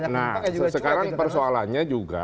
nah sekarang persoalannya juga